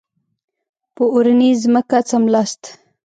په اورنۍ ځمکه څملاست.